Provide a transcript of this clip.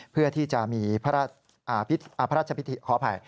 เพื่อที่จะมีที่ขออภัย